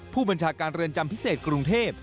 ผู้บัญชาการเรือนจำพิเศษกรุงเทพ